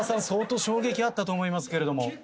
相当衝撃あったと思いますけれども。